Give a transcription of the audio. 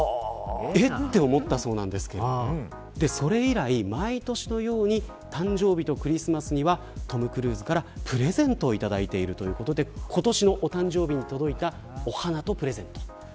えっと思ったそうなんですけどそれ以来、毎年のようにお誕生日とクリスマスにはトム・クルーズからプレゼントを頂いているそうで今年のお誕生日に届いたお花とプレゼント。